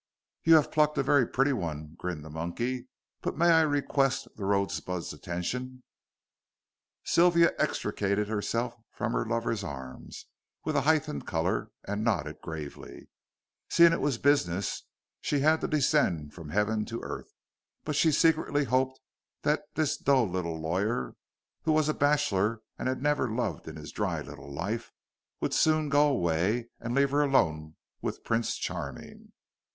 "You have plucked a very pretty one," grinned the monkey; "but may I request the rosebud's attention?" Sylvia extricated herself from her lover's arm with a heightened color, and nodded gravely. Seeing it was business, she had to descend from heaven to earth, but she secretly hoped that this dull little lawyer, who was a bachelor and had never loved in his dry little life, would soon go away and leave her alone with Prince Charming.